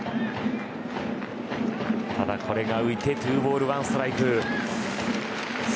ただこれが浮いて２ボール１ストライク。